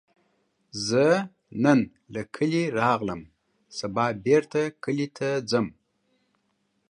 زه نن له کلي راغلم، سبا بیرته کلي ته ځم